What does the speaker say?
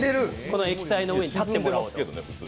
この液体の上に立ってもらおうと。